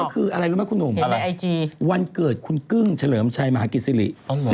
คืออะไรรู้ไหมคุณหนุ่มอะไรวันเกิดคุณกึ้งเฉลิมชัยมหากิจศิริ